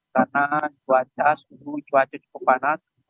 karena cuaca suhu cuaca cukup panas